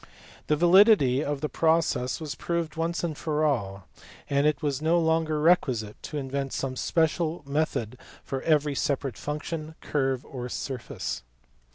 The validity of the process was proved once for all, and it was no longer requisite to invent some special method for every separate function, curve, or surface.